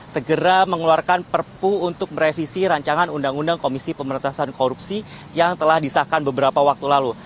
segera mengeluarkan perpu untuk merevisi rancangan undang undang komisi pemerintahan korupsi yang telah disahkan beberapa waktu lalu